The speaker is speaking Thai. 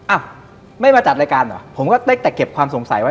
อ้าวไม่มาจัดรายการเหรอผมก็ได้แต่เก็บความสงสัยว่า